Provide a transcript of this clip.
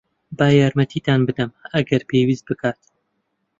با یارمەتیتان بدەم، ئەگەر پێویست بکات.